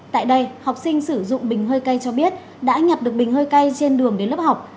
tại đây học sinh sử dụng bình hơi cây cho biết đã nhặt được bình hơi cay trên đường đến lớp học